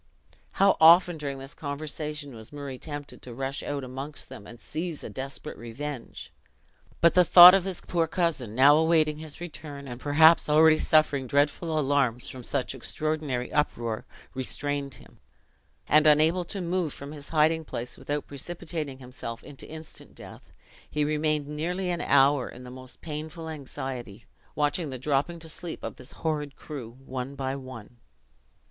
How often, during this conversation, was Murray tempted to rush out amongst them, and seize a desperate revenge! But the thought of his poor cousin, now awaiting his return, and perhaps already suffering dreadful alarms from such extraordinary uproar, restrained him; and unable to move from his hiding place without precipitating himself into instant death, he remained nearly an hour in the most painful anxiety, watching the dropping to sleep of this horrid crew, one by one.